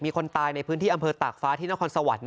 คนตายในพื้นที่อำเภอตากฟ้าที่นครสวรรค์